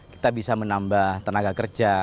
kita bisa menambah tenaga kerja